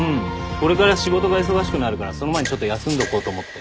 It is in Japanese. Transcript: これから仕事が忙しくなるからその前にちょっと休んどこうと思って。